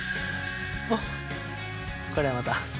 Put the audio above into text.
おっこれはまた。